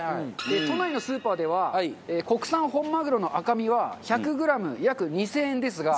都内のスーパーでは国産本マグロの赤身は１００グラム約２０００円ですが。